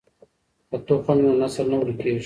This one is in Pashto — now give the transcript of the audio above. که تخم وي نو نسل نه ورکېږي.